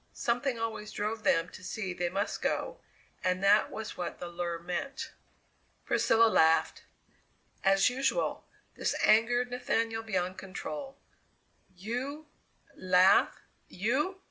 Something always drove them to see they must go, and that was what the lure meant. Priscilla laughed. As usual, this angered Nathaniel beyond control. "You laugh you!